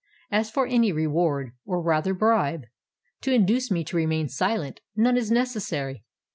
As for any reward—or rather bribe, to induce me to remain silent, none is necessary.